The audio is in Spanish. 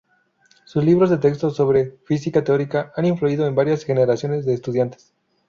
Sus libros de texto sobre física teórica han influido en varias generaciones de estudiantes.